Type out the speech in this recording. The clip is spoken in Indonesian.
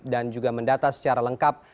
dan juga mendata secara lengkap